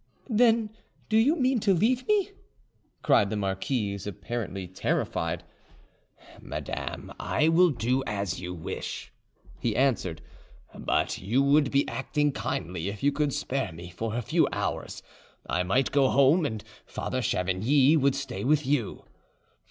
"Then do you mean to leave me?" cried the marquise, apparently terrified. "Madame, I will do as you wish," he answered; "but you would be acting kindly if you could spare me for a few hours. I might go home, and Father Chavigny would stay with you."